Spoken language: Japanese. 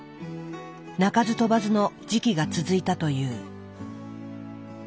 鳴かず飛ばずの時期が続いたという。